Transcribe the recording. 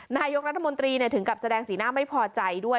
นายกรัฐมนตรีถึงกับแสดงสีหน้าไม่พอใจด้วย